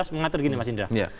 mengatur gini mas indra